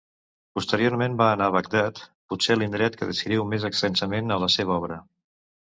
Posteriorment va anar a Bagdad, potser l'indret que descriu més extensament a la seva obra.